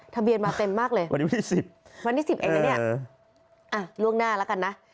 ทะเบียนมาเต็มมากเลยวันนี้๑๐เลยนะเนี่ยล่วงหน้าแล้วกันนะ